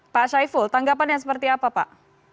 pak syaiful tanggapan yang seperti apa pak